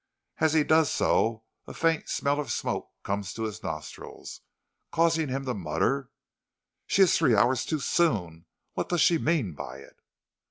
As he does so, a faint smell of smoke comes to his nostrils, causing him to mutter: "She is three hours too soon; what does she mean by it?"